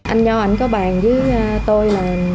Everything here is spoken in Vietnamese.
anh nho có bàn với tôi